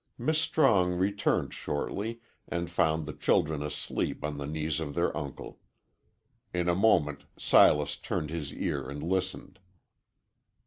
Miss Strong returned shortly and found the children asleep on the knees of their uncle. In a moment Silas turned his ear and listened.